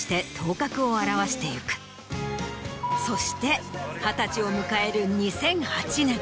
そして二十歳を迎える２００８年。